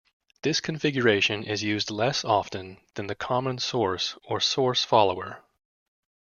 This configuration is used less often than the common source or source follower.